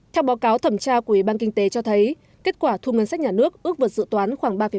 theo báo cáo thẩm tra của ủy ban kinh tế cho thấy kết quả thu ngân sách nhà nước ước vượt dự toán khoảng ba năm